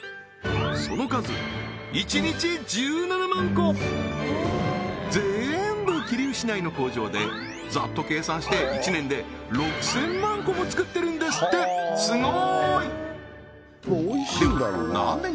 その数全部桐生市内の工場でざっと計算して１年で６０００万個も作ってるんですってすごーい！